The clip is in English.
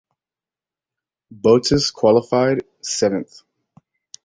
Bottas qualified seventh.